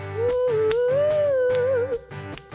ใครต่อ